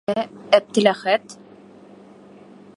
Ә Әптеләхәт?